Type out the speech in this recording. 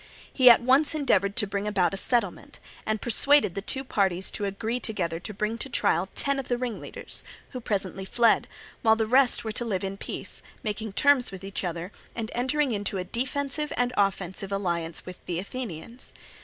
He at once endeavoured to bring about a settlement, and persuaded the two parties to agree together to bring to trial ten of the ringleaders, who presently fled, while the rest were to live in peace, making terms with each other, and entering into a defensive and offensive alliance with the Athenians.